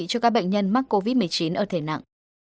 cho các bệnh nhân mắc covid một mươi chín ở thể nặng